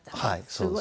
すごいな。